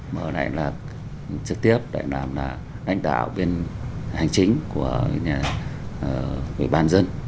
vừa lại là trực tiếp lại làm là lãnh đạo bên hành chính của ủy ban dân